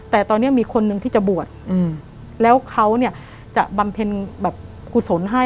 แต่ตอนนี้มีคนหนึ่งที่จะบวชแล้วเขาเนี่ยจะบำเพ็ญแบบกุศลให้